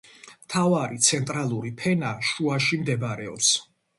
მთავარი, ცენტრალური ფენა შუაში მდებარეობს.